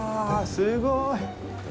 すごい。